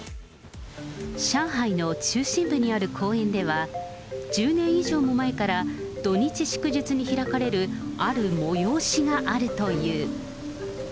上海の中心部にある公園では、１０年以上も前から土日、祝日に開かれるある催しがあるという。